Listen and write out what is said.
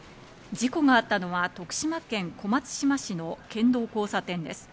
事故があったのは徳島県小松島市の県道交差点です。